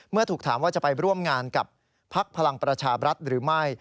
เมื่อถูกถามว่าจะไปร่วมงานกับภักดิ์ภลังประชาบรรทร์หรือไม่